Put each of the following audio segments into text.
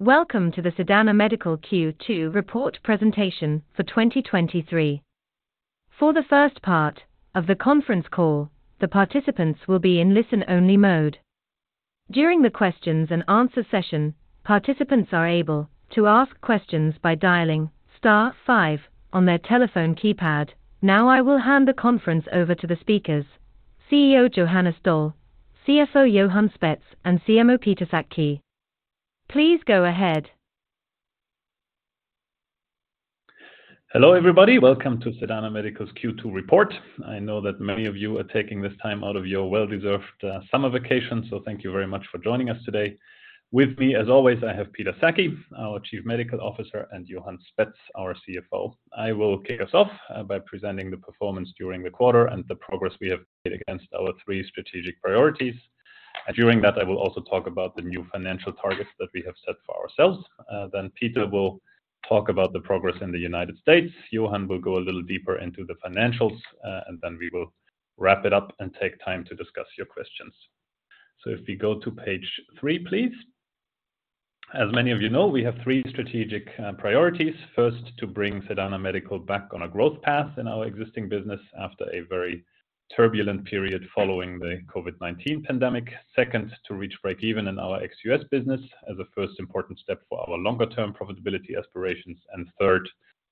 Welcome to the Sedana Medical Q2 report presentation for 2023. For the first part of the conference call, the participants will be in listen-only mode. During the questions and answer session, participants are able to ask questions by dialing star five on their telephone keypad. Now, I will hand the conference over to the speakers, CEO Johannes Doll, CFO Johan Spetz, and CMO Peter Sackey. Please go ahead. Hello, everybody. Welcome to Sedana Medical's Q2 report. I know that many of you are taking this time out of your well-deserved summer vacation, so thank you very much for joining us today. With me, as always, I have Peter Sackey, our Chief Medical Officer, and Johan Spetz, our CFO. I will kick us off by presenting the performance during the quarter and the progress we have made against our three strategic priorities. During that, I will also talk about the new financial targets that we have set for ourselves. Peter will talk about the progress in the United States. Johan will go a little deeper into the financials, and then we will wrap it up and take time to discuss your questions. If we go to page three, please. As many of you know, we have three strategic priorities. First, to bring Sedana Medical back on a growth path in our existing business after a very turbulent period following the COVID-19 pandemic. Second, to reach breakeven in our ex-U.S. business as a first important step for our longer-term profitability aspirations. Third,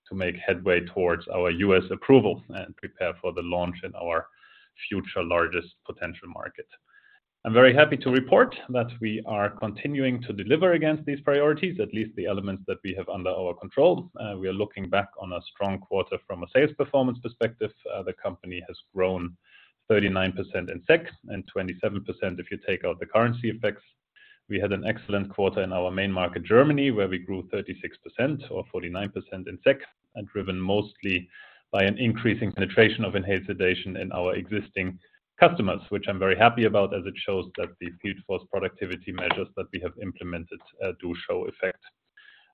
to make headway towards our U.S. approval and prepare for the launch in our future largest potential market. I'm very happy to report that we are continuing to deliver against these priorities, at least the elements that we have under our control. We are looking back on a strong quarter from a sales performance perspective. The company has grown 39% in SEK and 27% if you take out the currency effects. We had an excellent quarter in our main market, Germany, where we grew 36% or 49% in SEK, driven mostly by an increasing penetration of inhaled sedation in our existing customers, which I'm very happy about, as it shows that the field force productivity measures that we have implemented do show effect.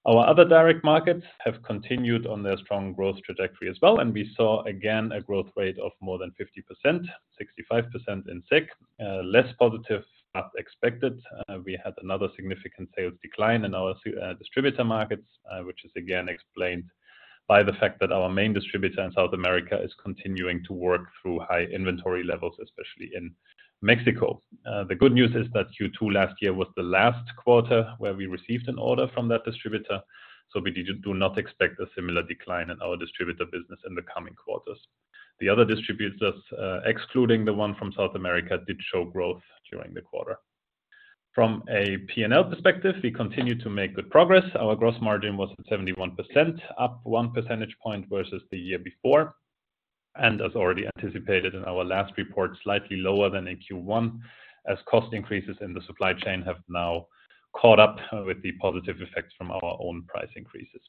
Our other direct markets have continued on their strong growth trajectory as well. We saw again a growth rate of more than 50%, 65% in SEK. Less positive, as expected, we had another significant sales decline in our distributor markets, which is again explained by the fact that our main distributor in South America is continuing to work through high inventory levels, especially in Mexico. The good news is that Q2 last year was the last quarter where we received an order from that distributor, we do not expect a similar decline in our distributor business in the coming quarters. The other distributors, excluding the one from South America, did show growth during the quarter. From a P&L perspective, we continue to make good progress. Our gross margin was at 71%, up one percentage point versus the year before, as already anticipated in our last report, slightly lower than in Q1, as cost increases in the supply chain have now caught up with the positive effects from our own price increases.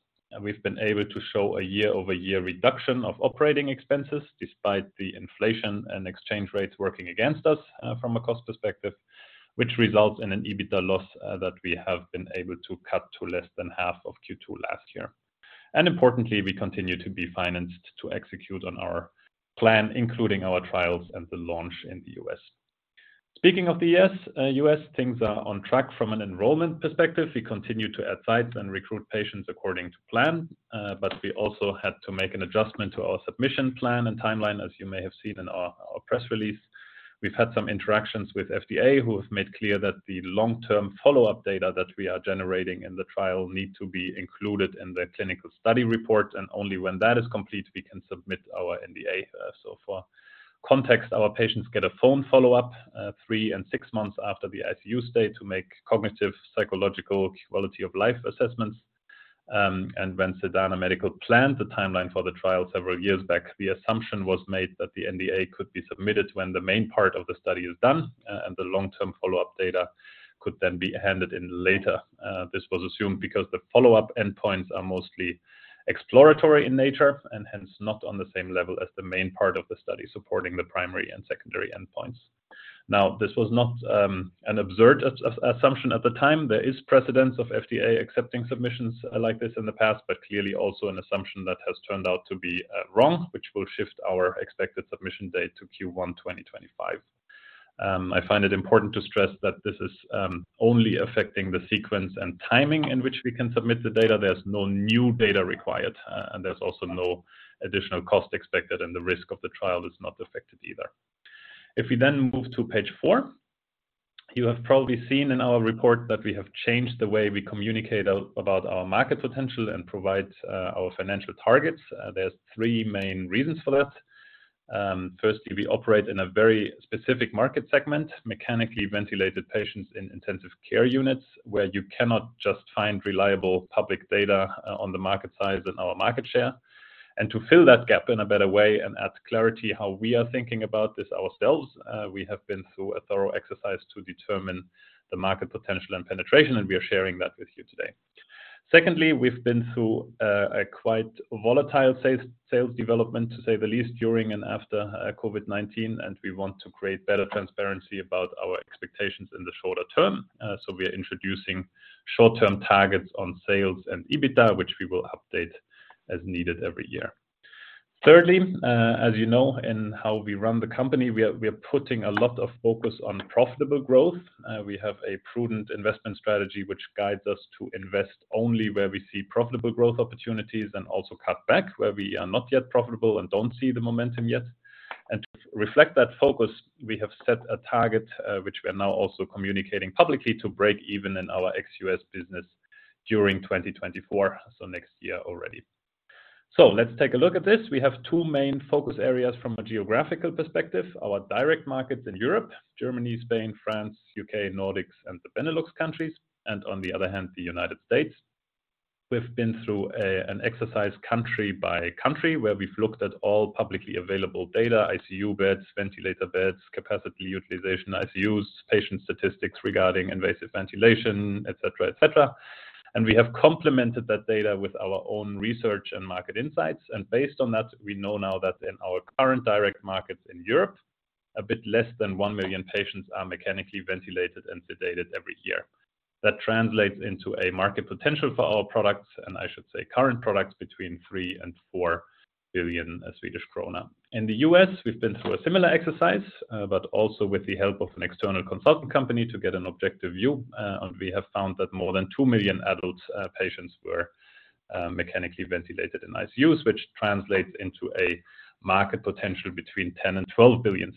We've been able to show a year-over-year reduction of operating expenses despite the inflation and exchange rates working against us from a cost perspective, which results in an EBITDA loss that we have been able to cut to less than half of Q2 last year. Importantly, we continue to be financed to execute on our plan, including our trials and the launch in the U.S. Speaking of the U.S., things are on track from an enrollment perspective. We continue to add sites and recruit patients according to plan, we also had to make an adjustment to our submission plan and timeline, as you may have seen in our press release. We've had some interactions with FDA, who have made clear that the long-term follow-up data that we are generating in the trial need to be included in the clinical study report, and only when that is complete, we can submit our NDA. For context, our patients get a phone follow-up, three and six months after the ICU stay to make cognitive, psychological, quality-of-life assessments. When Sedana Medical planned the timeline for the trial several years back, the assumption was made that the NDA could be submitted when the main part of the study is done, and the long-term follow-up data could then be handed in later. This was assumed because the follow-up endpoints are mostly exploratory in nature, and hence, not on the same level as the main part of the study supporting the primary and secondary endpoints. This was not an absurd assumption at the time. There is precedence of FDA accepting submissions like this in the past, clearly also an assumption that has turned out to be wrong, which will shift our expected submission date to Q1 2025. I find it important to stress that this is only affecting the sequence and timing in which we can submit the data. There's no new data required, and there's also no additional cost expected, and the risk of the trial is not affected either. If we move to page four, you have probably seen in our report that we have changed the way we communicate out about our market potential and provide our financial targets. There's three main reasons for that. Firstly, we operate in a very specific market segment, mechanically ventilated patients in intensive care units, where you cannot just find reliable public data on the market size and our market share. To fill that gap in a better way and add clarity how we are thinking about this ourselves, we have been through a thorough exercise to determine the market potential and penetration, and we are sharing that with you today. Secondly, we've been through a quite volatile sales development, to say the least, during and after COVID-19, and we want to create better transparency about our expectations in the shorter term. We are introducing short-term targets on sales and EBITDA, which we will update as needed every year. Thirdly, as you know, in how we run the company, we are putting a lot of focus on profitable growth. We have a prudent investment strategy, which guides us to invest only where we see profitable growth opportunities, and also cut back where we are not yet profitable and don't see the momentum yet. To reflect that focus, we have set a target, which we are now also communicating publicly to break even in our ex-U.S. business during 2024, so next year already. Let's take a look at this. We have two main focus areas from a geographical perspective. Our direct markets in Europe, Germany, Spain, France, U.K., Nordics, and the Benelux countries, and on the other hand, the United States. We've been through an exercise country by country, where we've looked at all publicly available data, ICU beds, ventilator beds, capacity utilization, ICUs, patient statistics regarding invasive ventilation, et cetera, et cetera. We have complemented that data with our own research and market insights, and based on that, we know now that in our current direct markets in Europe, a bit less than one million patients are mechanically ventilated and sedated every year. That translates into a market potential for our products, and I should say current products, between 3 billion and 4 billion Swedish krona. In the US, we've been through a similar exercise, but also with the help of an external consultant company to get an objective view. And we have found that more than two million adult patients were mechanically ventilated in ICUs, which translates into a market potential between 10 billion-12 billion.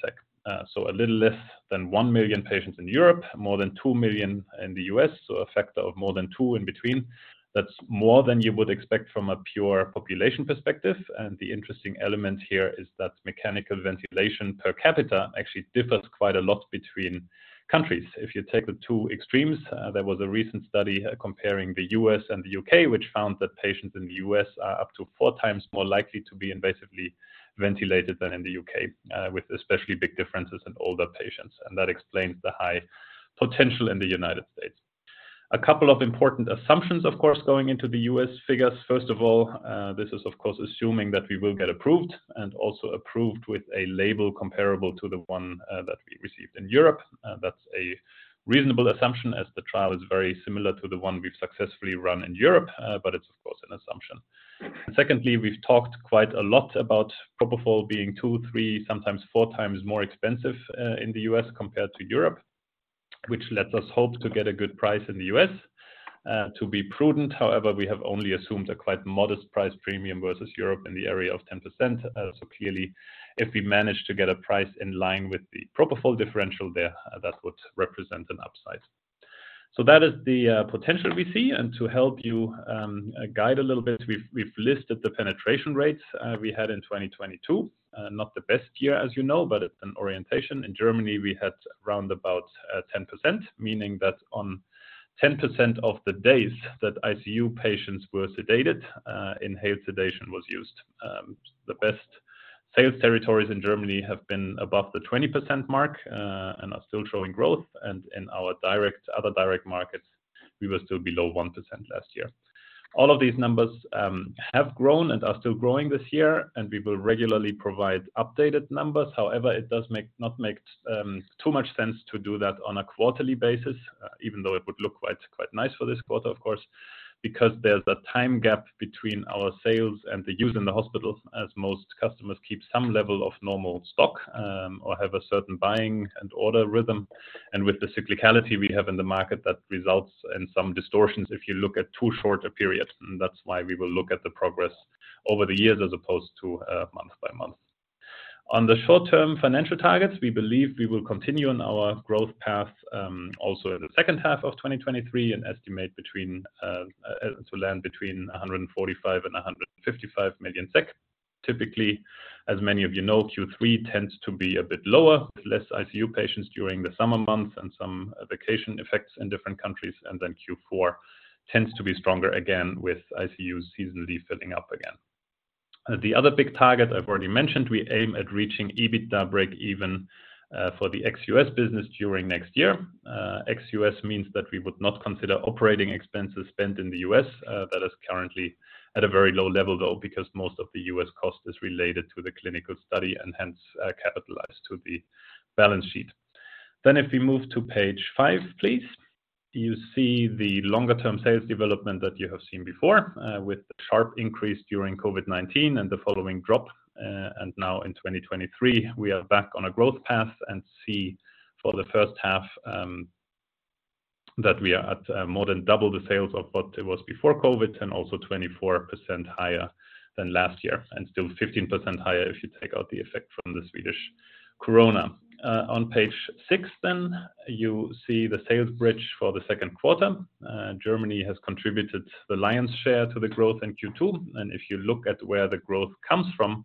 A little less than one million patients in Europe, more than two million in the U.S., so a factor of more than two in between. That's more than you would expect from a pure population perspective. The interesting element here is that mechanical ventilation per capita actually differs quite a lot between countries. If you take the two extremes, there was a recent study comparing the U.S. and the U.K., which found that patients in the U.S. are up to four times more likely to be invasively ventilated than in the U.K., with especially big differences in older patients, and that explains the high potential in the United States. A couple of important assumptions, of course, going into the U.S. figures. First of all, this is, of course, assuming that we will get approved and also approved with a label comparable to the one that we received in Europe. That's a reasonable assumption as the trial is very similar to the one we've successfully run in Europe, but it's of course, an assumption. Secondly, we've talked quite a lot about propofol being two, three, sometimes four times more expensive in the U.S. compared to Europe, which lets us hope to get a good price in the U.S. To be prudent, however, we have only assumed a quite modest price premium versus Europe in the area of 10%. Clearly, if we manage to get a price in line with the propofol differential there, that would represent an upside. That is the potential we see. To help you guide a little bit, we've listed the penetration rates we had in 2022. Not the best year, as you know, but it's an orientation. In Germany, we had round about 10%, meaning that on 10% of the days that ICU patients were sedated, inhaled sedation was used. The best sales territories in Germany have been above the 20% mark and are still showing growth. In our other direct markets, we were still below 1% last year. All of these numbers have grown and are still growing this year, and we will regularly provide updated numbers. However, it does not make too much sense to do that on a quarterly basis, even though it would look quite nice for this quarter, of course, because there's a time gap between our sales and the use in the hospital, as most customers keep some level of normal stock, or have a certain buying and order rhythm. With the cyclicality we have in the market, that results in some distortions if you look at too short a period, and that's why we will look at the progress over the years as opposed to month by month. On the short-term financial targets, we believe we will continue on our growth path, also in the second half of 2023, and estimate to land between 145 million and 155 million SEK. Typically, as many of you know, Q3 tends to be a bit lower, with less ICU patients during the summer months and some vacation effects in different countries, and then Q4 tends to be stronger again with ICU seasonally filling up again. The other big target I've already mentioned, we aim at reaching EBITDA break even for the ex-US business during next year. ex-U.S. means that we would not consider operating expenses spent in the US. That is currently at a very low level, though, because most of the U.S. cost is related to the clinical study and hence capitalized to the balance sheet. If we move to page five, please. You see the longer-term sales development that you have seen before, with the sharp increase during COVID-19 and the following drop. Now in 2023, we are back on a growth path and see for the first half, that we are at more than double the sales of what it was before COVID, and also 24% higher than last year, and still 15% higher if you take out the effect from the Swedish krona. On page 6 then, you see the sales bridge for the second quarter. Germany has contributed the lion's share to the growth in Q2. If you look at where the growth comes from,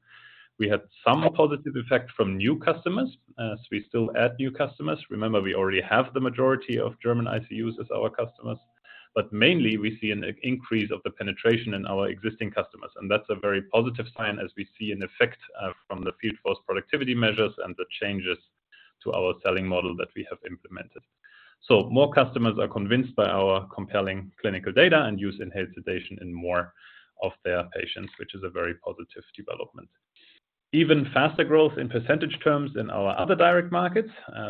we had some positive effect from new customers, so we still add new customers. Remember, we already have the majority of German ICUs as our customers, but mainly we see an increase of the penetration in our existing customers, and that's a very positive sign as we see an effect from the field force productivity measures and the changes to our selling model that we have implemented. More customers are convinced by our compelling clinical data and use inhaled sedation in more of their patients, which is a very positive development. Even faster growth in percentage terms in our other direct markets,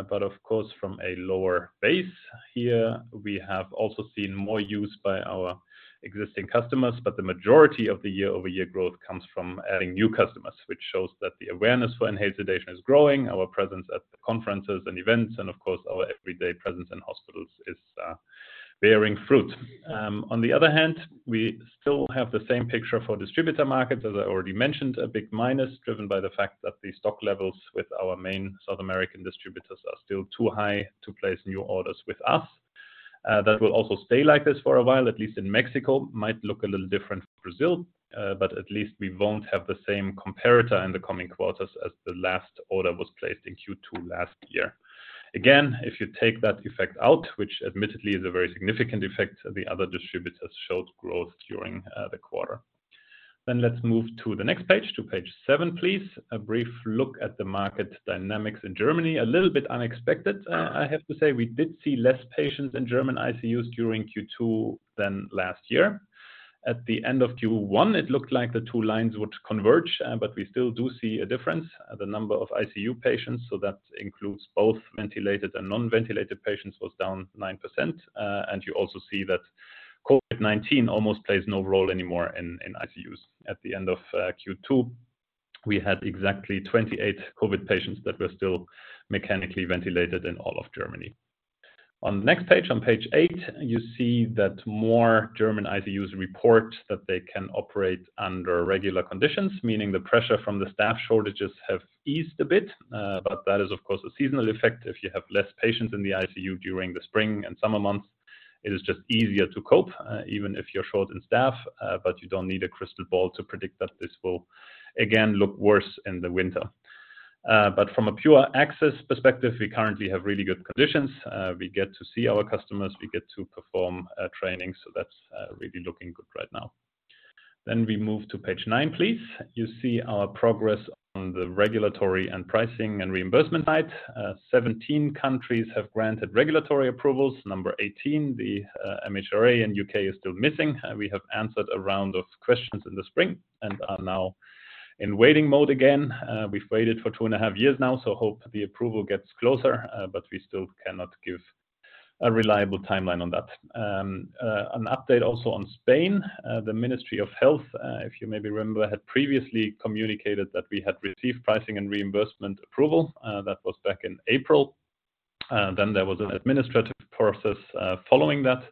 but of course, from a lower base. Here, we have also seen more use by our existing customers, but the majority of the year-over-year growth comes from adding new customers, which shows that the awareness for inhaled sedation is growing. Our presence at the conferences and events, and of course, our everyday presence in hospitals is bearing fruit. On the other hand, we still have the same picture for distributor markets. As I already mentioned, a big minus, driven by the fact that the stock levels with our main South American distributors are still too high to place new orders with us. That will also stay like this for a while, at least in Mexico. Might look a little different in Brazil, but at least we won't have the same comparator in the coming quarters as the last order was placed in Q2 last year. Again, if you take that effect out, which admittedly is a very significant effect, the other distributors showed growth during the quarter. Let's move to the next page, to page seven, please. A brief look at the market dynamics in Germany. A little bit unexpected, I have to say. We did see less patients in German ICUs during Q2 than last year. At the end of Q1, it looked like the two lines would converge. We still do see a difference. The number of ICU patients, so that includes both ventilated and non-ventilated patients, was down 9%. You also see that COVID-19 almost plays no role anymore in ICUs. At the end of Q2, we had exactly 28 COVID patients that were still mechanically ventilated in all of Germany. On the next page, on page eight, you see that more German ICUs report that they can operate under regular conditions, meaning the pressure from the staff shortages have eased a bit. That is, of course, a seasonal effect. If you have less patients in the ICU during the spring and summer months, it is just easier to cope, even if you're short in staff. You don't need a crystal ball to predict that this will again look worse in the winter. From a pure access perspective, we currently have really good conditions. We get to see our customers, we get to perform trainings, that's really looking good right now. We move to page nine, please. You see our progress on the regulatory and pricing and reimbursement side. 17 countries have granted regulatory approvals. Number 18, the MHRA in U.K., is still missing. We have answered a round of questions in the spring and are now in waiting mode again. We've waited for two and a half years now, so hope the approval gets closer, but we still cannot give a reliable timeline on that. An update also on Spain. The Ministry of Health, if you maybe remember, had previously communicated that we had received pricing and reimbursement approval. That was back in April. There was an administrative process following that,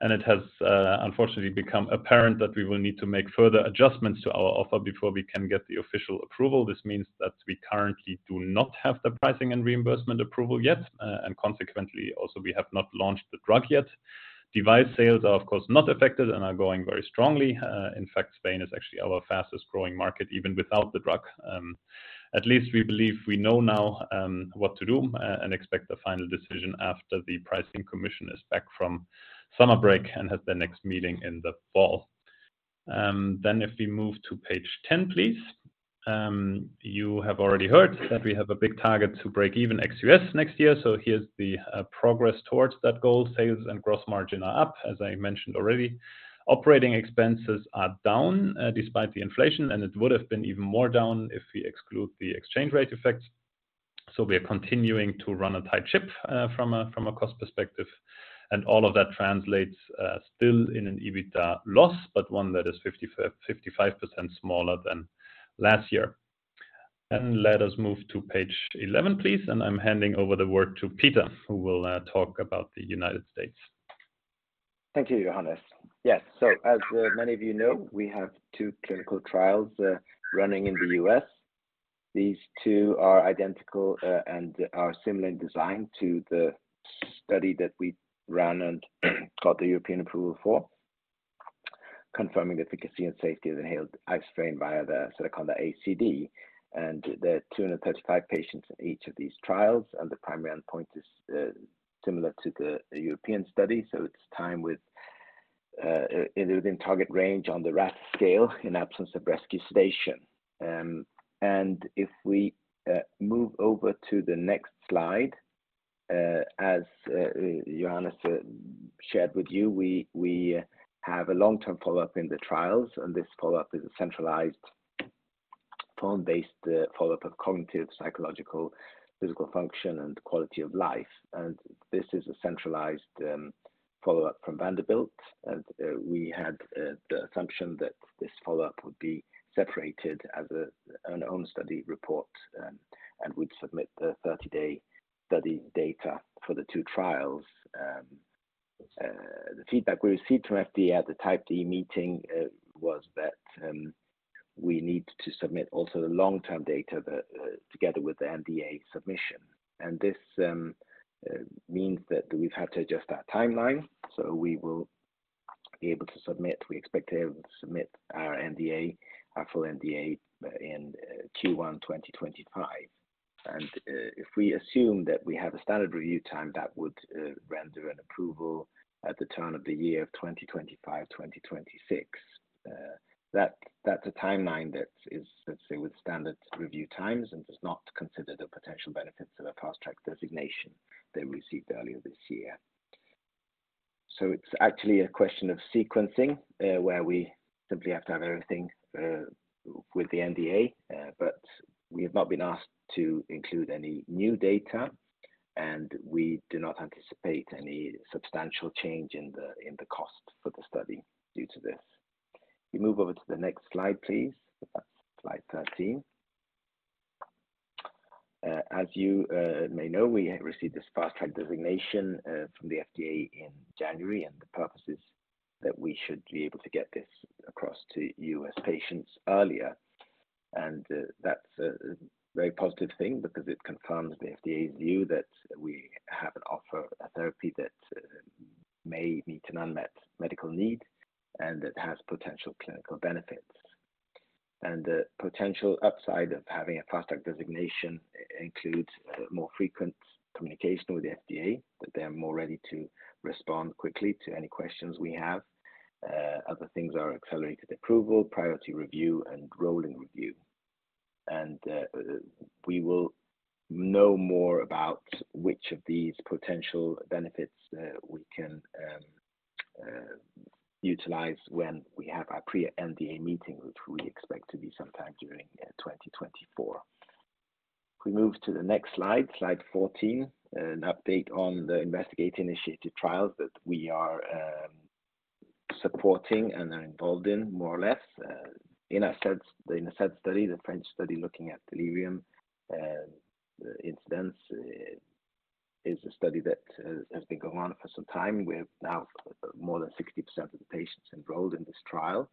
and it has, unfortunately, become apparent that we will need to make further adjustments to our offer before we can get the official approval. This means that we currently do not have the pricing and reimbursement approval yet, and consequently, also, we have not launched the drug yet. Device sales are, of course, not affected and are going very strongly. In fact, Spain is actually our fastest-growing market, even without the drug. At least we believe we know now what to do and expect the final decision after the pricing commission is back from summer break and has the next meeting in the fall. If we move to page 10, please. You have already heard that we have a big target to break even ex-U.S. next year. Here's the progress towards that goal. Sales and gross margin are up, as I mentioned already. Operating expenses are down despite the inflation, and it would have been even more down if we exclude the exchange rate effect. We are continuing to run a tight ship from a cost perspective, and all of that translates still in an EBITDA loss, but one that is 50%-55% smaller than last year. Let us move to page 11, please, and I'm handing over the word to Peter, who will talk about the United States. Thank you, Johannes. Yes. As many of you know, we have two clinical trials running in the U.S. These two are identical and are similar in design to the study that we ran and got the European approval for, confirming the efficacy and safety of inhaled X-strain via the so-called the ACD. There are 235 patients in each of these trials, and the primary endpoint is similar to the European study. It's time with within target range on the RASS scale in absence of rescue sedation. If we move over to the next slide, as Johannes shared with you, we have a long-term follow-up in the trials, and this follow-up is a centralized, phone-based follow-up of cognitive, psychological, physical function, and quality of life. This is a centralized follow-up from Vanderbilt. We had the assumption that this follow-up would be separated as an own study report, and we'd submit the 30-day study data for the two trials. The feedback we received from FDA at the Type D meeting was that we need to submit also the long-term data that together with the NDA submission. This means that we've had to adjust our timeline, so we will be able to submit we expect to be able to submit our NDA, our full NDA, in Q1 2025. If we assume that we have a standard review time, that would render an approval at the turn of the year of 2025, 2026. That's a timeline that is, let's say, with standard review times and does not consider the potential benefits of a Fast Track Designation they received earlier this year. It's actually a question of sequencing, where we simply have to have everything with the NDA. We have not been asked to include any new data, and we do not anticipate any substantial change in the cost for the study due to this. Can you move over to the next slide, please? Slide 13. As you may know, we have received this Fast Track Designation from the FDA in January, and the purpose is that we should be able to get this across to U.S. patients earlier. That's a very positive thing because it confirms the FDA's view that we have on offer a therapy that may meet an unmet medical need and that has potential clinical benefits. The potential upside of having a Fast Track Designation includes more frequent communication with the FDA, that they are more ready to respond quickly to any questions we have. Other things are accelerated approval, priority review, and rolling review. We will know more about which of these potential benefits we can utilize when we have our pre-NDA meeting, which we expect to be sometime during 2024. Can we move to the next slide 14? An update on the investigator-initiated trials that we are supporting and are involved in, more or less. In ACES, the ACES study, the French study looking at delirium incidence, is a study that has been going on for some time. We have now more than 60% of the patients enrolled in this trial.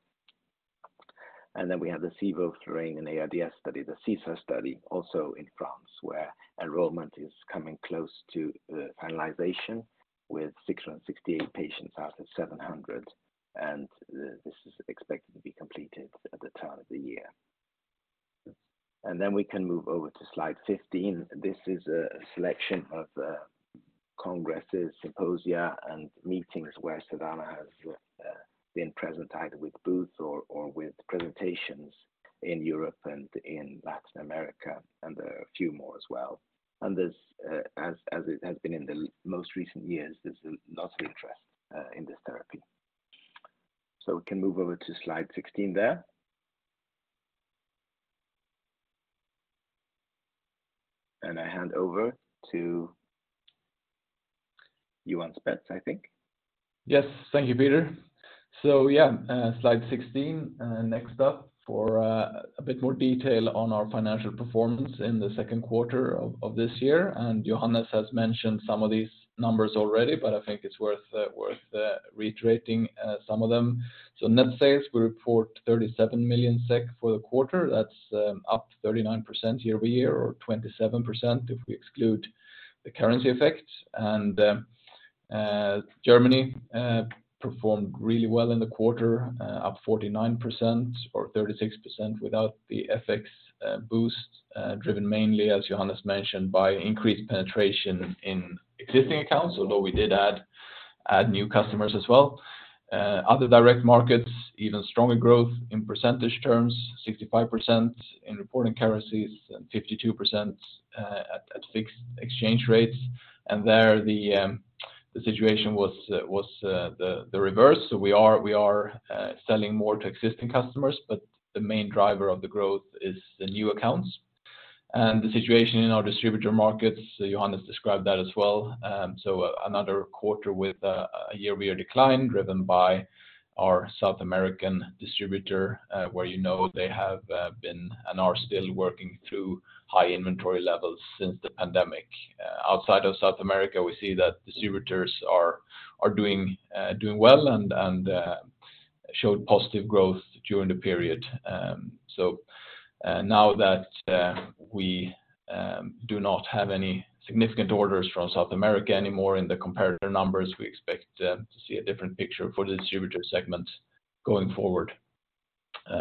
We have the SIVO, THORING and ARDS study, the SESAR study, also in France, where enrollment is coming close to finalization with 668 patients out of 700. This is expected to be completed at the turn of the year. We can move over to slide 15. This is a selection of congresses, symposia, and meetings where Sedana has been present, either with booths or with presentations in Europe and in Latin America, and there are a few more as well. There's as it has been in the most recent years, there's lots of interest in this therapy. We can move over to slide 16 there. I hand over to Johan Spetz, I think. Yes. Thank you, Peter. Yeah, slide 16, next up for a bit more detail on our financial performance in the second quarter of this year. Johannes has mentioned some of these numbers already, I think it's worth reiterating some of them. Net sales, we report 37 million SEK for the quarter. That's up 39% year-over-year, or 27% if we exclude the currency effects. Germany performed really well in the quarter, up 49% or 36% without the FX boost, driven mainly, as Johannes mentioned, by increased penetration in existing accounts, although we did add new customers as well. Other direct markets, even stronger growth in percentage terms, 65% in reporting currencies and 52% at fixed exchange rates. There, the situation was, the reverse. We are selling more to existing customers, but the main driver of the growth is the new accounts. The situation in our distributor markets, Johannes described that as well. Another quarter with a year-over-year decline, driven by our South American distributor, where, you know, they have been and are still working through high inventory levels since the pandemic. Outside of South America, we see that distributors are doing well and showed positive growth during the period. Now that we do not have any significant orders from South America anymore in the comparator numbers, we expect to see a different picture for the distributor segment going forward.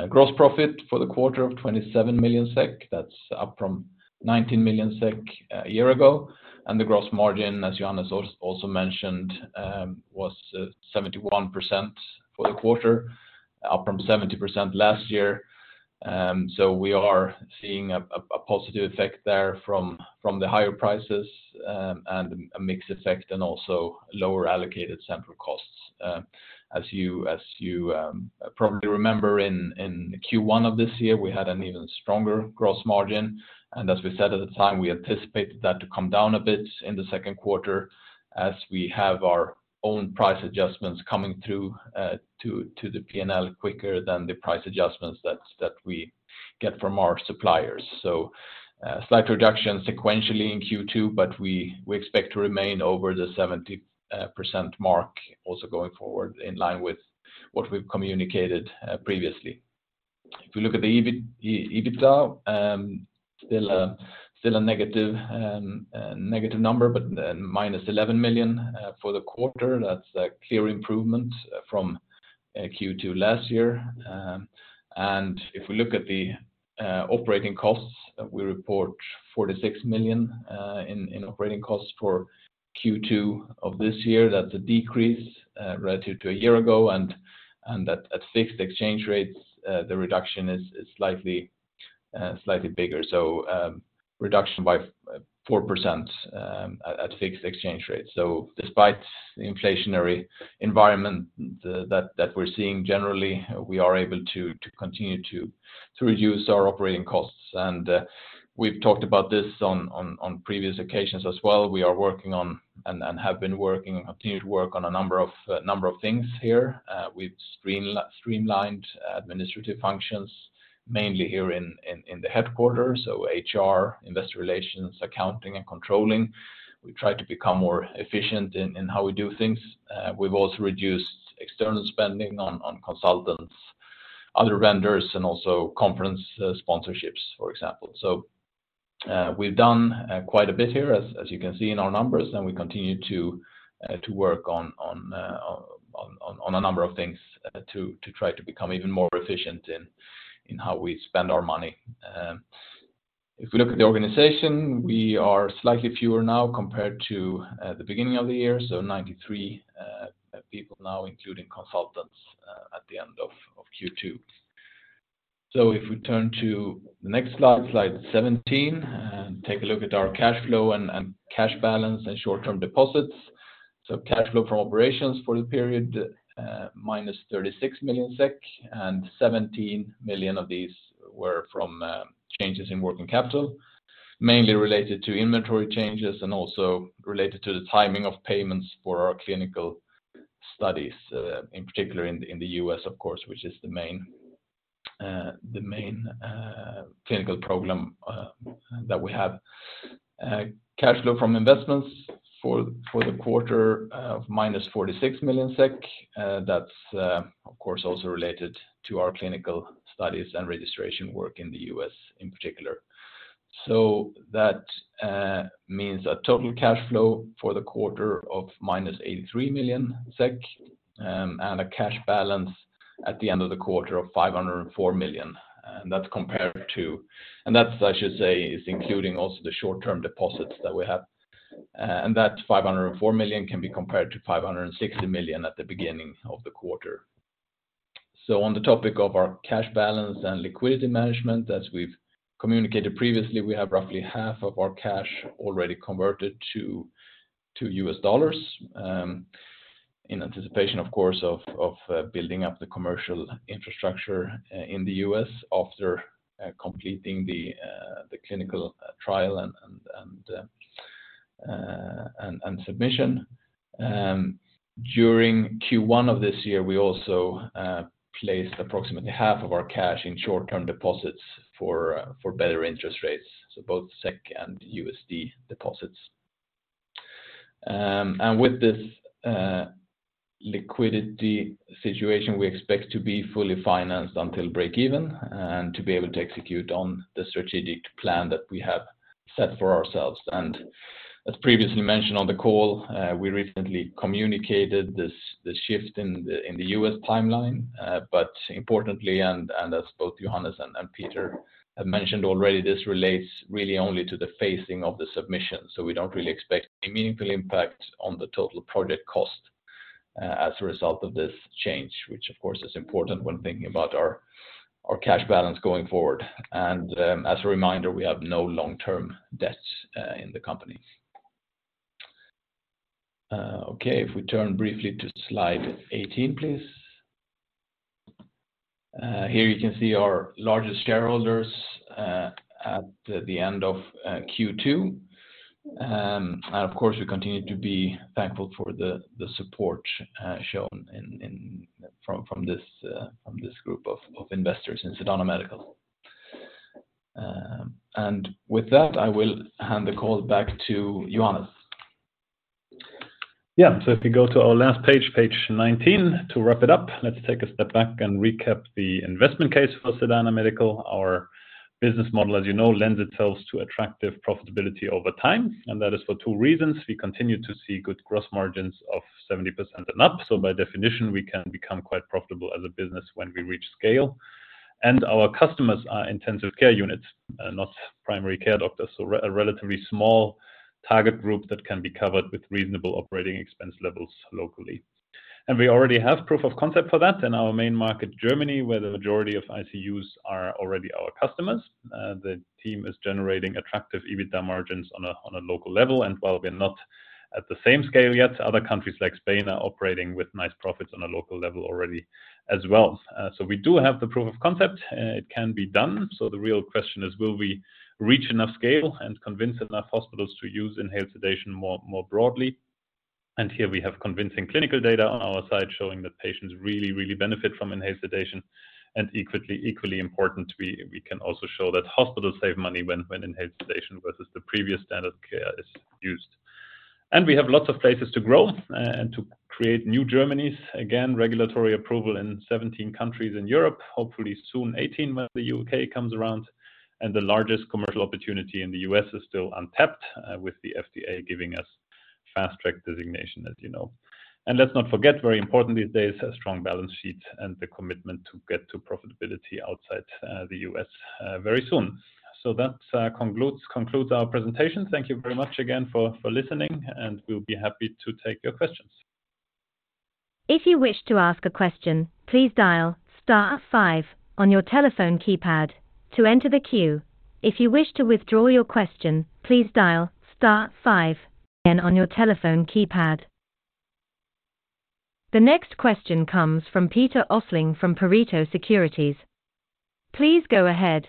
Gross profit for the quarter of 27 million SEK, that's up from 19 million SEK a year ago. The gross margin, as Johannes also mentioned, was 71% for the quarter, up from 70% last year. We are seeing a positive effect there from the higher prices, and a mix effect, and also lower allocated sample costs. As you probably remember, in Q1 of this year, we had an even stronger gross margin. As we said at the time, we anticipated that to come down a bit in the second quarter as we have our own price adjustments coming through to the P&L quicker than the price adjustments that we get from our suppliers. Slight reduction sequentially in Q2, but we expect to remain over the 70% mark also going forward, in line with what we've communicated previously. If you look at the EBIT, EBITDA, still a negative number, but minus 11 million for the quarter. That's a clear improvement from Q2 last year. If we look at the operating costs, we report 46 million in operating costs for Q2 of this year. That's a decrease relative to a year ago, and that at fixed exchange rates, the reduction is slightly bigger. Reduction by 4% at fixed exchange rates. Despite the inflationary environment that we're seeing, generally, we are able to continue to reduce our operating costs. We've talked about this on previous occasions as well. We are working on and have been working, continue to work on a number of things here. We've streamlined administrative functions, mainly here in the headquarters, so HR, investor relations, accounting, and controlling. We've tried to become more efficient in how we do things. We've also reduced external spending on consultants, other vendors, and also conference sponsorships, for example. We've done quite a bit here, as you can see in our numbers, and we continue to work on a number of things to try to become even more efficient in how we spend our money. If we look at the organization, we are slightly fewer now compared to the beginning of the year. 93 people now, including consultants, at the end of Q2. If we turn to the next slide 17, and take a look at our cash flow and cash balance and short-term deposits. Cash flow from operations for the period, minus 36 million SEK, and 17 million of these were from changes in working capital, mainly related to inventory changes and also related to the timing of payments for our clinical studies, in particular in the U.S., of course, which is the main clinical program that we have. Cash flow from investments for the quarter, minus 46 million SEK. That's, of course, also related to our clinical studies and registration work in the U.S. in particular. That means a total cash flow for the quarter of minus 83 million SEK and a cash balance at the end of the quarter of 504 million. I should say, is including also the short-term deposits that we have. 504 million can be compared to 560 million at the beginning of the quarter. On the topic of our cash balance and liquidity management, as we've communicated previously, we have roughly half of our cash already converted to US dollars, in anticipation, of course, of building up the commercial infrastructure in the US after completing the clinical trial and submission. During Q1 of this year, we also placed approximately half of our cash in short-term deposits for better interest rates, so both SEK and USD deposits. With this liquidity situation, we expect to be fully financed until break even, and to be able to execute on the strategic plan that we have set for ourselves. As previously mentioned on the call, we recently communicated this, the shift in the US timeline. But importantly, and as both Johannes and Peter have mentioned already, this relates really only to the phasing of the submission, so we don't really expect any meaningful impact on the total project cost as a result of this change, which, of course, is important when thinking about our cash balance going forward. As a reminder, we have no long-term debts in the company. Okay, if we turn briefly to slide 18, please. Here you can see our largest shareholders at the end of Q2. Of course, we continue to be thankful for the support shown in from this group of investors in Sedana Medical. With that, I will hand the call back to Johannes. If we go to our last page 19, to wrap it up, let's take a step back and recap the investment case for Sedana Medical. Our business model, as you know, lends itself to attractive profitability over time, and that is for two reasons. We continue to see good gross margins of 70% and up, so by definition, we can become quite profitable as a business when we reach scale. Our customers are intensive care units, not primary care doctors, so a relatively small target group that can be covered with reasonable operating expense levels locally. We already have proof of concept for that in our main market, Germany, where the majority of ICUs are already our customers. The team is generating attractive EBITDA margins on a local level, and while we are not at the same scale yet, other countries like Spain are operating with nice profits on a local level already as well. We do have the proof of concept. It can be done. The real question is: will we reach enough scale and convince enough hospitals to use inhaled sedation more broadly? Here we have convincing clinical data on our side showing that patients really benefit from inhaled sedation. Equally important, we can also show that hospitals save money when inhaled sedation versus the previous standard of care is used. We have lots of places to grow and to create new Germanies. Again, regulatory approval in 17 countries in Europe, hopefully soon 18, when the U.K. comes around. The largest commercial opportunity in the U.S. is still untapped, with the FDA giving us Fast Track Designation, as you know. Let's not forget, very important these days, a strong balance sheet and the commitment to get to profitability outside the U.S. very soon. That concludes our presentation. Thank you very much again for listening, and we'll be happy to take your questions. If you wish to ask a question, please dial star five on your telephone keypad to enter the queue. If you wish to withdraw your question, please dial star five again on your telephone keypad. The next question comes from Peter Östling from Pareto Securities. Please go ahead.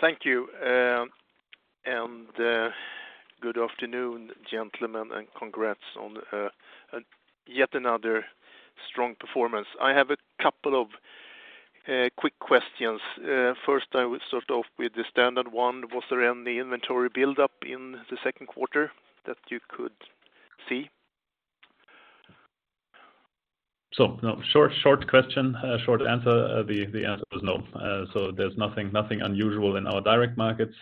Thank you, and good afternoon, gentlemen, and congrats on yet another strong performance. I have a couple of quick questions. First, I will start off with the standard one. Was there any inventory buildup in the second quarter that you could see? No, short question, short answer. The answer was no. There's nothing unusual in our direct markets.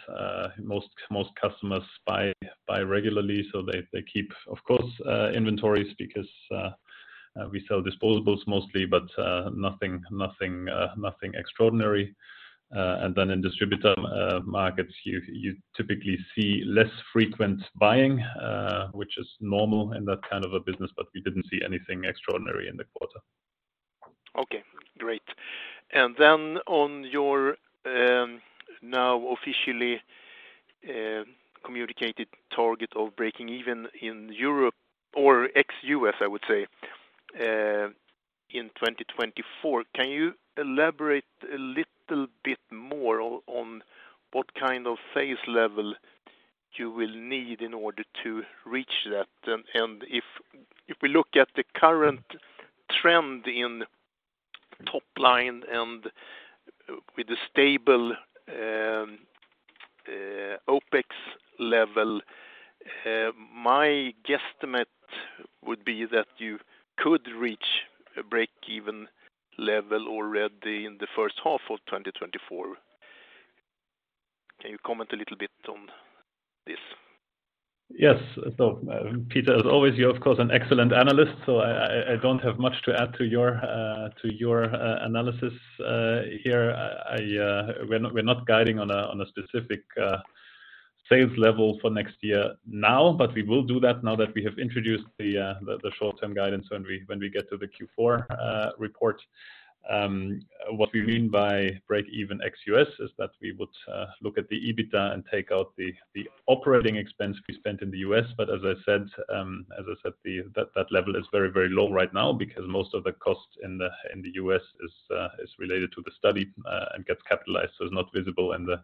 Most customers buy regularly, so they keep, of course, inventories because we sell disposables mostly, but nothing extraordinary. In distributor markets, you typically see less frequent buying, which is normal in that kind of a business, but we didn't see anything extraordinary in the quarter. Okay, great. On your, now officially, communicated target of breaking even in Europe or ex-US, I would say, in 2024, can you elaborate a little bit more on what kind of sales level you will need in order to reach that? If we look at the current trend in top line and with a stable OpEx level, my guesstimate would be that you could reach a break-even level already in the first half of 2024. Can you comment a little bit on this? Yes. Peter, as always, you're, of course, an excellent analyst, so I don't have much to add to your analysis here. I. We're not guiding on a specific sales level for next year now, but we will do that now that we have introduced the short-term guidance when we get to the Q4 report. What we mean by break even ex-US is that we would look at the EBITDA and take out the operating expense we spent in the U.S. But as I said, as it appear that the level is very, very low right now because most of the costs in the U.S. is related to the study and gets capitalized, so not visible in the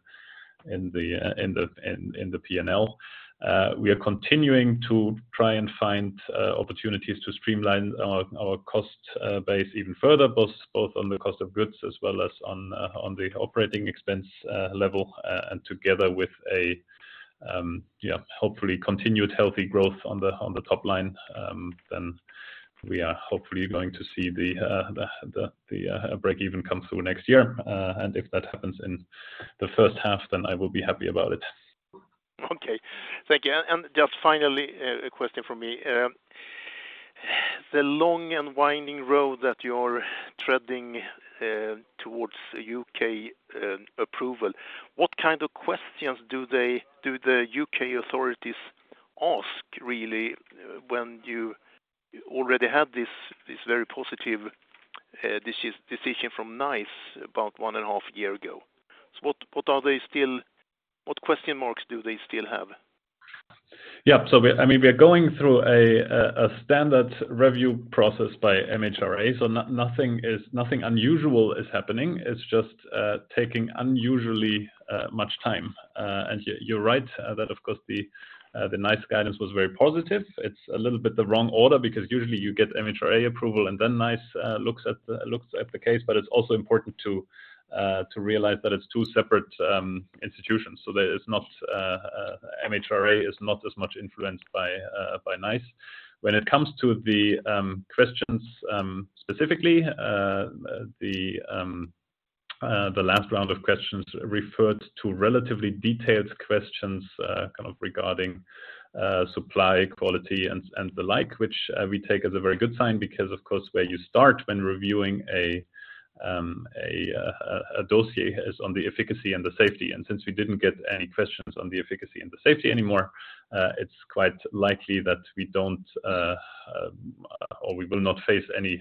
P&L. We are continuing to try and find opportunities to streamline our cost base even further, both on the cost of goods as well as on the operating expense level, and together with a, you know, hopefully continued healthy growth on the top line, then we are hopefully going to see the break-even come through next year, and if that happens in the first half, then I will be happy about it. Okay, thank you. Just finally, a question from me. The long and winding road that you're treading towards U.K. approval, what kind of questions do the U.K. authorities ask, really, when you already had this very positive decision from NICE about one and a half year ago? What question marks do they still have? Yeah. We, I mean, we are going through a standard review process by MHRA, so nothing unusual is happening. It's just taking unusually much time. You, you're right, that of course, the NICE guidance was very positive. It's a little bit the wrong order because usually you get MHRA approval and then NICE looks at the case. It's also important to realize that it's two separate institutions, so MHRA is not as much influenced by NICE. When it comes to the questions specifically the last round of questions referred to relatively detailed questions kind of regarding supply, quality, and the like, which we take as a very good sign, because, of course, where you start when reviewing a dossier is on the efficacy and the safety. Since we didn't get any questions on the efficacy and the safety anymore, it's quite likely that we don't or we will not face any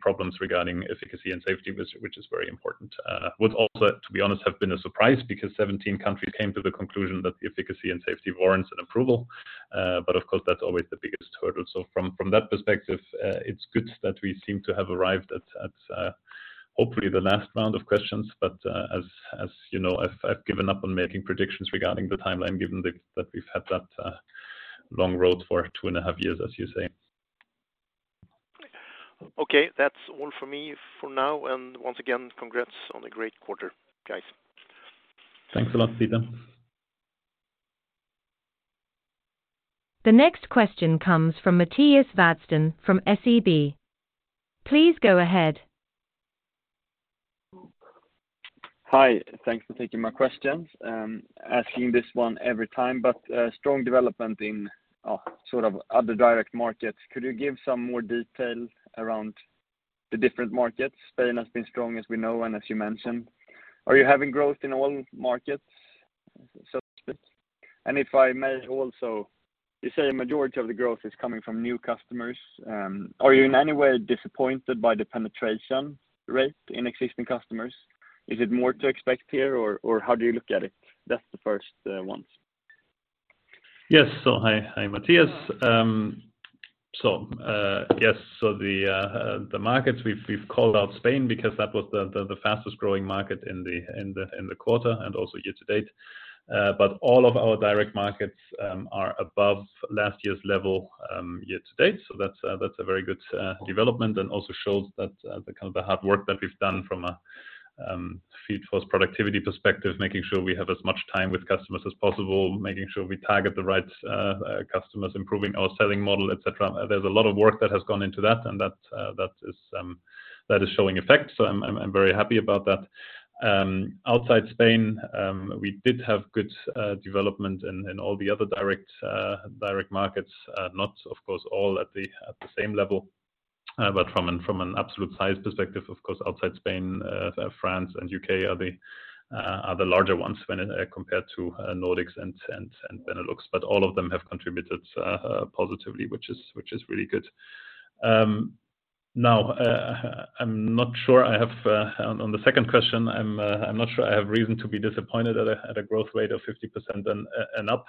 problems regarding efficacy and safety, which is very important. Would also, to be honest, have been a surprise because 17 countries came to the conclusion that the efficacy and safety warrants an approval. Of course, that's always the biggest hurdle. From that perspective, it's good that we seem to have arrived at, hopefully the last round of questions. As you know, I've given up on making predictions regarding the timeline, given that we've had that, long road for two and a half years, as you say. Okay, that's all for me for now. Once again, congrats on a great quarter, guys. Thanks a lot, Peter. The next question comes from Matthias Vadsten from SEB. Please go ahead. Hi. Thanks for taking my questions. asking this one every time, but strong development in sort of other direct markets. Could you give some more detail around the different markets? Spain has been strong, as we know, and as you mentioned. Are you having growth in all markets? If I may also, you say a majority of the growth is coming from new customers, are you in any way disappointed by the penetration rate in existing customers? Is it more to expect here, or how do you look at it? That's the first ones. Yes. Hi, Matthias. The markets we've called out Spain because that was the fastest-growing market in the quarter and also year to date. All of our direct markets are above last year's level year to date. That's a very good development, and also shows that the kind of the hard work that we've done from a field force productivity perspective, making sure we have as much time with customers as possible, making sure we target the right customers, improving our selling model, et cetera. There's a lot of work that has gone into that, and that is showing effect. I'm very happy about that. Outside Spain, we did have good development in all the other direct markets. Not, of course, all at the same level, but from an absolute size perspective, of course, outside Spain, France and UK are the larger ones when compared to Nordics and Benelux. All of them have contributed positively, which is really good. Now, I'm not sure I have. On the second question, I'm not sure I have reason to be disappointed at a growth rate of 50% and up.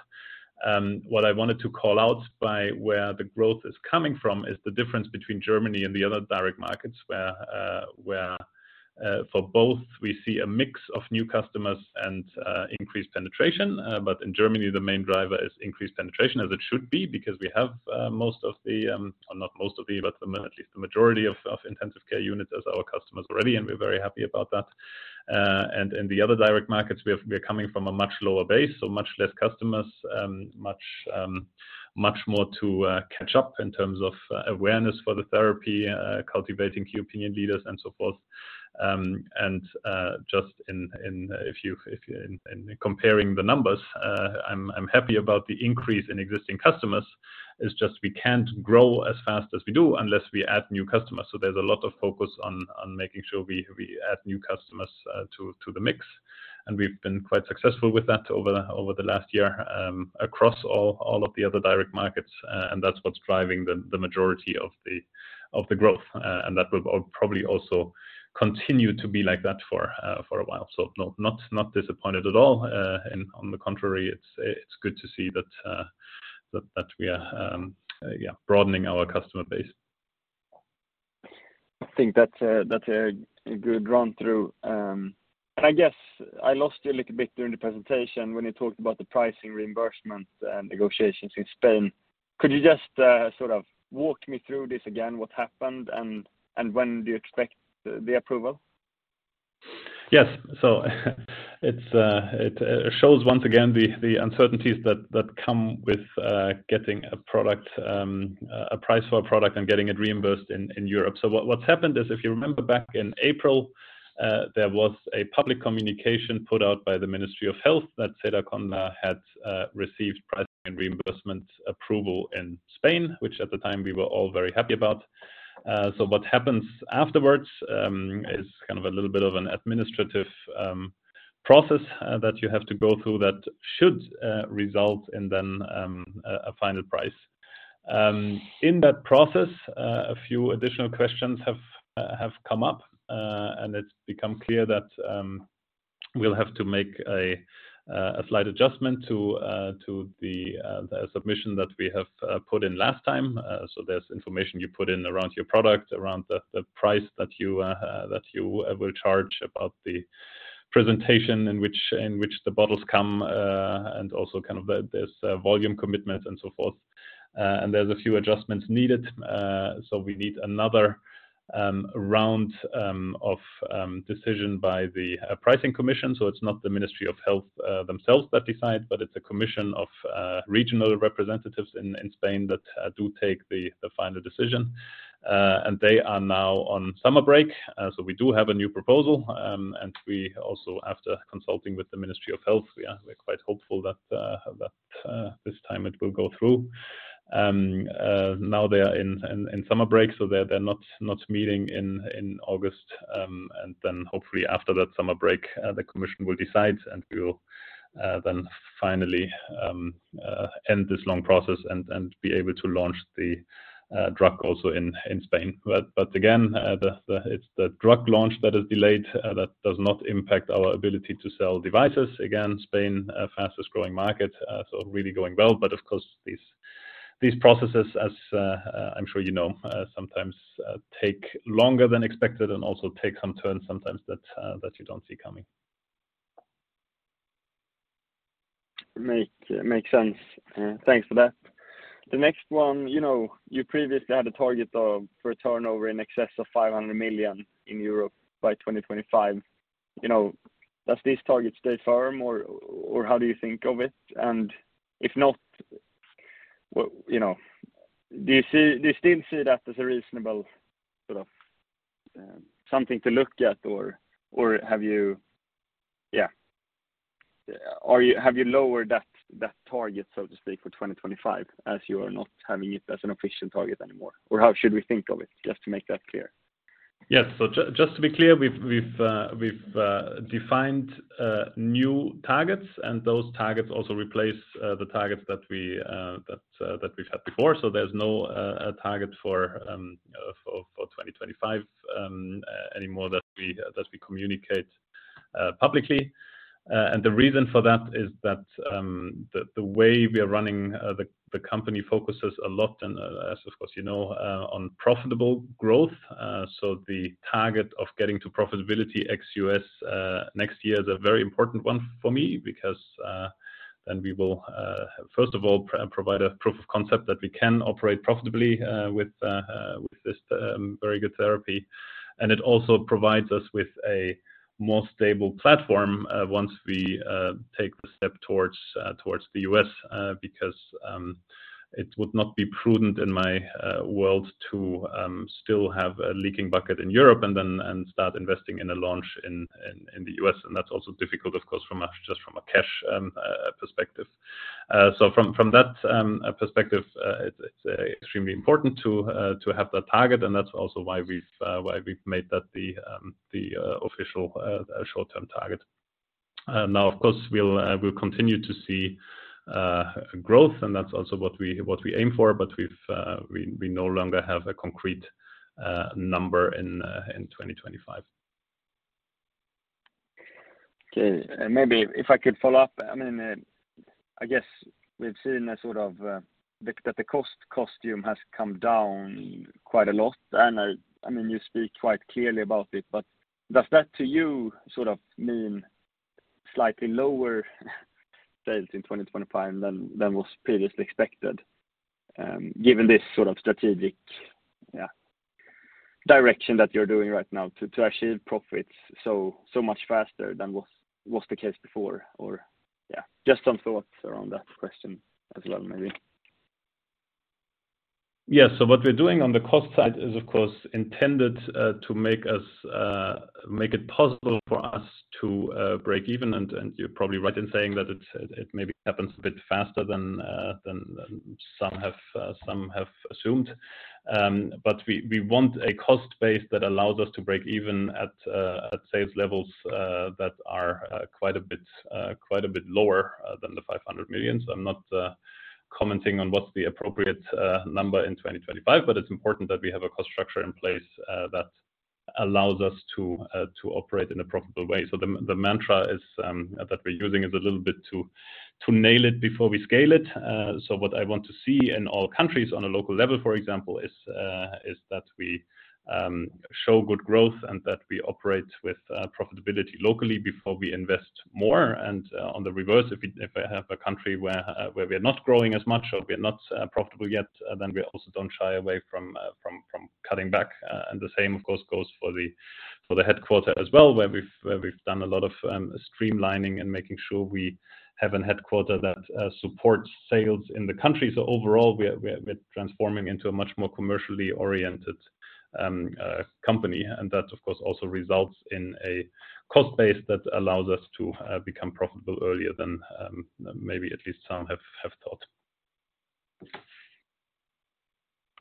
What I wanted to call out by where the growth is coming from is the difference between Germany and the other direct markets, where, for both, we see a mix of new customers and increased penetration. In Germany, the main driver is increased penetration, as it should be, because we have most of the, or not most of the, but at least the majority of intensive care units as our customers already, and we're very happy about that. In the other direct markets, we are coming from a much lower base, so much less customers, much, much more to catch up in terms of awareness for the therapy, cultivating key opinion leaders, and so forth. Just in comparing the numbers, I'm happy about the increase in existing customers. It's just we can't grow as fast as we do unless we add new customers. There's a lot of focus on making sure we add new customers to the mix. We've been quite successful with that over the last year across all of the other direct markets, and that's what's driving the majority of the growth. That will probably also continue to be like that for a while. No, not disappointed at all. On the contrary, it's good to see that we are broadening our customer base. I think that's a good run-through. I guess I lost you a little bit during the presentation when you talked about the pricing, reimbursement, and negotiations in Spain. Could you just sort of walk me through this again, what happened, and when do you expect the approval? Yes. It's, it shows once again the uncertainties that come with getting a product, a price for a product and getting it reimbursed in Europe. What's happened is, if you remember back in April, there was a public communication put out by the Ministry of Health that Sedaconda had received pricing and reimbursement approval in Spain, which at the time, we were all very happy about. What happens afterwards, is kind of a little bit of an administrative process that you have to go through that should result in then a final price. In that process, a few additional questions have come up, and it's become clear that we'll have to make a slight adjustment to the submission that we have put in last time. There's information you put in around your product, around the price that you will charge, about the presentation in which the bottles come, and also kind of the this volume commitment and so forth. There's a few adjustments needed, so we need another round of decision by the Pricing Commission. It's not the Ministry of Health themselves that decide, but it's a commission of regional representatives in Spain that do take the final decision. And they are now on summer break, so we do have a new proposal, and we also, after consulting with the Ministry of Health, we're quite hopeful that this time it will go through. Now they are in summer break, so they're not meeting in August. Then hopefully after that summer break, the commission will decide, and we'll then finally end this long process and be able to launch the drug also in Spain. But again, it's the drug launch that is delayed, that does not impact our ability to sell devices. Again, Spain, fastest-growing market, so really going well. Of course, these processes, as I'm sure you know, sometimes take longer than expected and also take some turns sometimes that you don't see coming. Makes sense. Thanks for that. The next one, you know, you previously had a target of, for a turnover in excess of 500 million in Europe by 2025. You know, does this target stay firm, or how do you think of it? If not, well, you know, do you still see that as a reasonable sort of something to look at, or have you lowered that target, so to speak, for 2025, as you are not having it as an official target anymore? How should we think of it, just to make that clear? Yes. Just to be clear, we've defined new targets, and those targets also replace the targets that we've had before. There's no target for 2025 anymore that we communicate publicly. The reason for that is that the way we are running the company focuses a lot and as of course, you know, on profitable growth. The target of getting to profitability ex-US next year is a very important one for me, because then we will first of all, provide a proof of concept that we can operate profitably with this very good therapy. us with a more stable platform once we take the step towards the U.S. because it would not be prudent in my world to still have a leaking bucket in Europe and start investing in a launch in the U.S. That's also difficult, of course, just from a cash perspective. So from that perspective, it's extremely important to have that target, and that's also why we've made that the official short-term target. Now, of course, we'll continue to see growth, and that's also what we aim for, but we no longer have a concrete number in 2025. Maybe if I could follow up. I mean, I guess we've seen a sort of, that the cost structure has come down quite a lot, and, I mean, you speak quite clearly about it. Does that, to you, sort of mean slightly lower sales in 2025 than was previously expected, given this sort of strategic, yeah, direction that you're doing right now to achieve profits so much faster than was the case before? Yeah, just some thoughts around that question as well, maybe. What we're doing on the cost side is, of course, intended to make us make it possible for us to break even. You're probably right in saying that it maybe happens a bit faster than some have assumed. We want a cost base that allows us to break even at sales levels that are quite a bit lower than the 500 million. I'm not commenting on what's the appropriate number in 2025, but it's important that we have a cost structure in place that allows us to operate in a profitable way. The mantra that we're using is a little bit to nail it before we scale it. What I want to see in all countries on a local level, for example, is that we show good growth and that we operate with profitability locally before we invest more. On the reverse, if we, if I have a country where we are not growing as much or we're not profitable yet, then we also don't shy away from cutting back. The same, of course, goes for the headquarter as well, where we've done a lot of streamlining and making sure we have a headquarter that supports sales in the country. Overall, we're transforming into a much more commercially oriented company, and that, of course, also results in a cost base that allows us to become profitable earlier than maybe at least some have thought.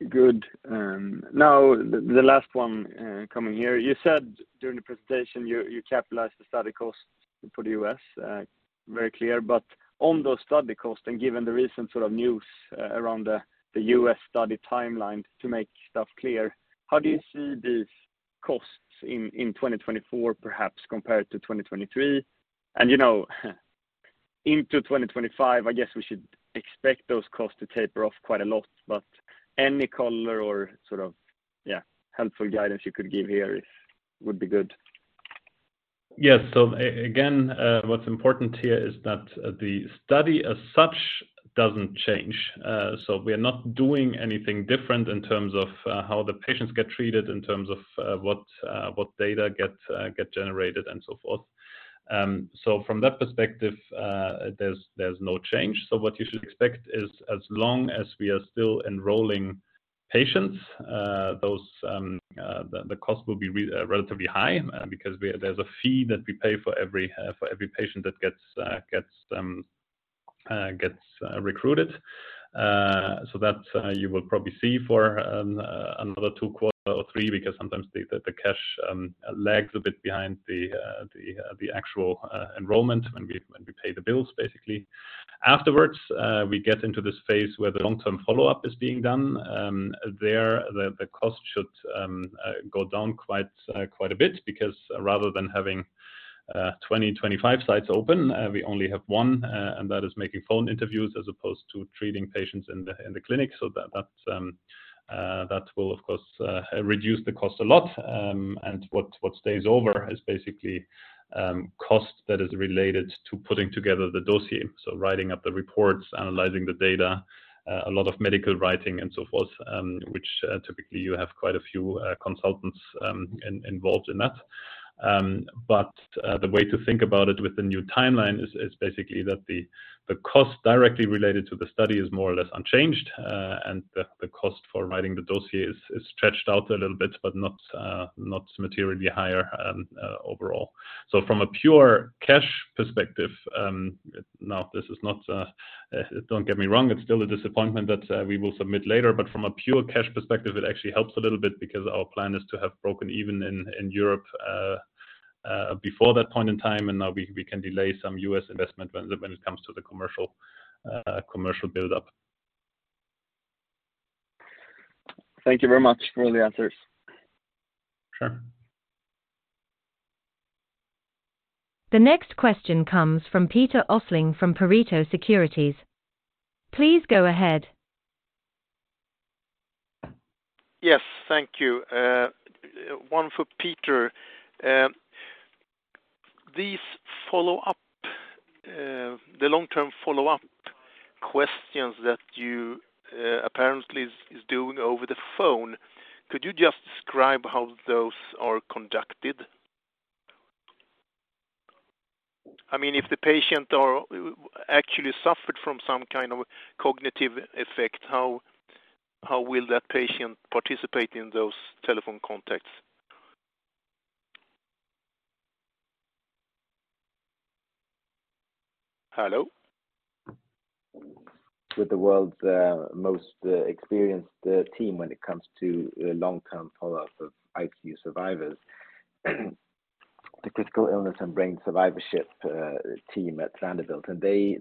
Good. Now, the last one coming here. You said during the presentation, you capitalized the study costs for the US, very clear. On those study costs, and given the recent sort of news around the US study timeline to make stuff clear, how do you see these costs in 2024, perhaps compared to 2023? You know, into 2025, I guess we should expect those costs to taper off quite a lot, but any color or sort of, yeah, helpful guidance you could give here would be good. Yes. Again, what's important here is that the study as such doesn't change. We are not doing anything different in terms of how the patients get treated, in terms of what data get generated, and so forth. From that perspective, there's no change. What you should expect is, as long as we are still enrolling patients, those the cost will be relatively high, because there's a fee that we pay for every patient that gets recruited. That you will probably see for another two quarter or three, because sometimes the cash lags a bit behind the actual enrollment when we pay the bills, basically. Afterwards, we get into this phase where the long-term follow-up is being done. There, the cost should go down quite a bit, because rather than having 20-25 sites open, we only have one, and that is making phone interviews as opposed to treating patients in the clinic. That will, of course, reduce the cost a lot. What stays over is basically cost that is related to putting together the dossier. Writing up the reports, analyzing the data, a lot of medical writing, and so forth, which typically you have quite a few consultants involved in that. The way to think about it with the new timeline is basically that the cost directly related to the study is more or less unchanged, and the cost for writing the dossier is stretched out a little bit, but not materially higher overall. From a pure cash perspective, now, this is not, don't get me wrong, it's still a disappointment that we will submit later, but from a pure cash perspective, it actually helps a little bit because our plan is to have broken even in Europe before that point in time, and now we can delay some US investment when it comes to the commercial build-up. Thank you very much for all the answers. Sure. The next question comes from Peter Östling from Pareto Securities. Please go ahead. Yes, thank you. One for Peter. These follow-up, the long-term follow-up questions that you apparently is doing over the phone, could you just describe how those are conducted? I mean, if the patient are actually suffered from some kind of cognitive effect, how will that patient participate in those telephone contacts? Hello? With the world's most experienced team when it comes to long-term follow-up of ICU survivors. The critical illness and brain survivorship team at Vanderbilt. We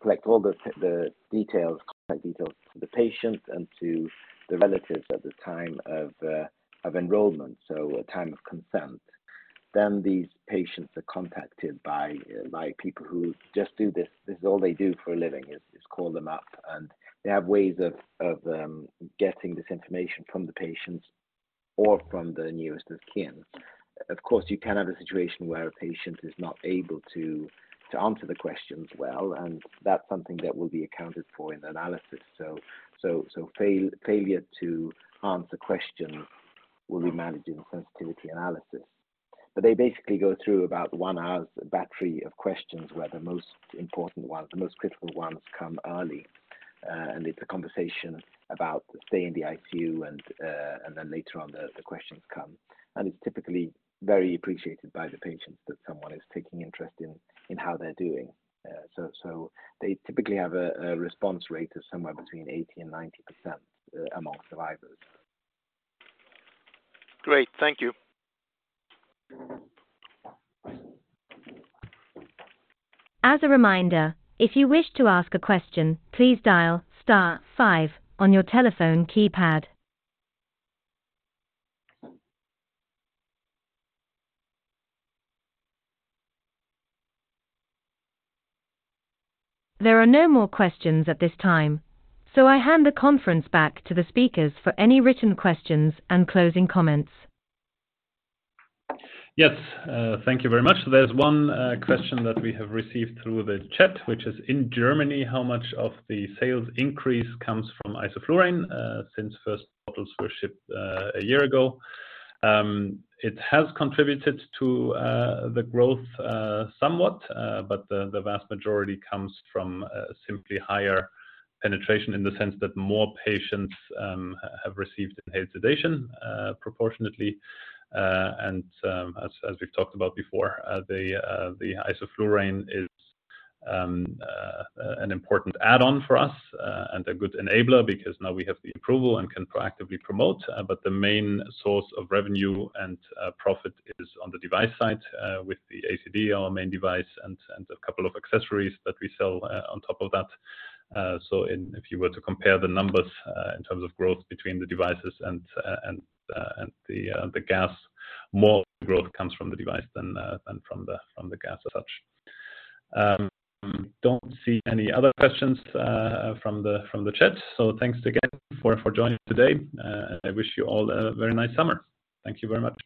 collect all the details, contact details to the patients and to the relatives at the time of enrollment, so at time of consent. These patients are contacted by people who just do this. This is all they do for a living, is call them up, and they have ways of getting this information from the patients or from the nearest of kin. Of course, you can have a situation where a patient is not able to answer the questions well, and that's something that will be accounted for in the analysis. Failure to answer questions will be managed in the sensitivity analysis. They basically go through about one hour's battery of questions, where the most important ones, the most critical ones come early, and it's a conversation about the stay in the ICU, and then later on, the questions come. It's typically very appreciated by the patients that someone is taking interest in how they're doing. They typically have a response rate of somewhere between 80% and 90% among survivors. Great, thank you. As a reminder, if you wish to ask a question, please dial star five on your telephone keypad. There are no more questions at this time. I hand the conference back to the speakers for any written questions and closing comments. Yes, thank you very much. There's one question that we have received through the chat, which is: In Germany, how much of the sales increase comes from isoflurane since first bottles were shipped a year ago? It has contributed to the growth somewhat, but the vast majority comes from simply higher penetration in the sense that more patients have received inhaled sedation proportionately. As we've talked about before, the isoflurane is an important add-on for us and a good enabler because now we have the approval and can proactively promote. The main source of revenue and profit is on the device side, with the ACD, our main device, and a couple of accessories that we sell on top of that. If you were to compare the numbers, in terms of growth between the devices and the gas, more growth comes from the device than from the gas as such. Don't see any other questions from the chat. Thanks again for joining today, I wish you all a very nice summer. Thank you very much.